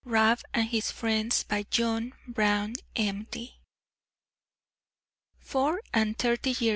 RAB AND HIS FRIENDS By John Brown, M.